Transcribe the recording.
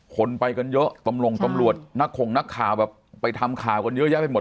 คนไปกันเยอะตำรวจนักขงนักข่าวแบบไปทำข่าวกันเยอะแยะไปหมด